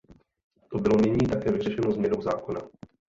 To bylo nyní také vyřešeno změnou zákona.